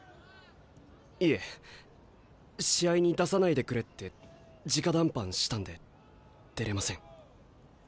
いえ試合に出さないでくれってじか談判したんで出れません。